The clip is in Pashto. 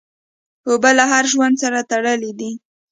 اوبه له هر ژوند سره تړلي دي.